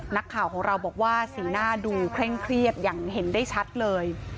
นักข่าวของเราบอกว่าสีหน้าดูเคร่งเครียดอย่างเห็นได้ชัดเลย